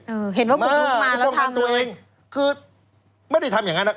เออเห็นว่าผมพูดมาแล้วทำด้วยคือไม่ได้ทำอย่างงั้นล่ะ